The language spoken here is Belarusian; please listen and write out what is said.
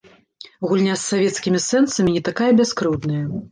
Гульня з савецкімі сэнсамі не такая бяскрыўдная.